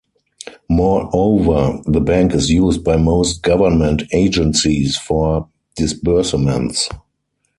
Moreover, the bank is used by most government agencies for disbursements.